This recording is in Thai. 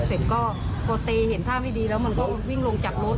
เสร็จก็พอเตเห็นท่าไม่ดีแล้วมันก็วิ่งลงจากรถ